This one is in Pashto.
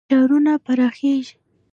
ښارونه پراخیږي.